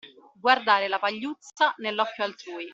Guardare la pagliuzza nell'occhio altrui.